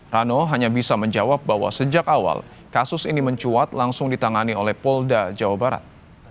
rano hanya bisa menjawab bahwa sejak awal kasus ini mencuat langsung ditangani oleh polda jawa barat